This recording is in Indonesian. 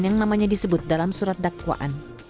yang namanya disebut dalam surat dakwaan